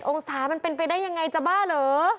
องศามันเป็นไปได้ยังไงจะบ้าเหรอ